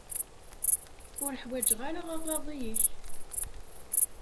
Ur ḥwaǧeɣ ara aɣaḍi-ik.